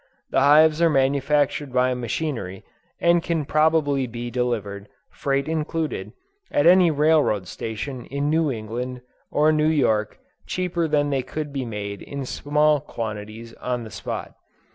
The hives are manufactured by machinery, and can probably be delivered, freight included, at any Railroad Station in New England, or New York, cheaper than they could be made in small quantities on the spot.